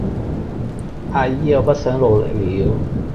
阿姨我不想努力了